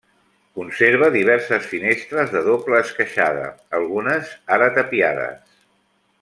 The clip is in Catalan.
Conserva diverses finestres de doble esqueixada, algunes ara tapiades.